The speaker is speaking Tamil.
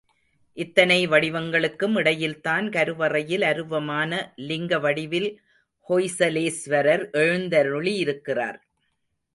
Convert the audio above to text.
இத்தனை வடிவங்களுக்கும் இடையில்தான் கருவறையில் அருவமான லிங்க வடிவில் ஹொய்சலேஸ்வரர் எழுந்தருளியிருக்கிறார்.